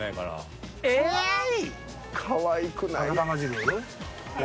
かわいくない。